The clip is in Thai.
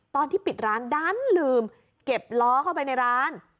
ตอนที่ปิดร้านดันลืมเก็บล้อเข้าไปในร้าน